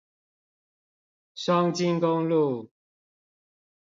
雙菁公路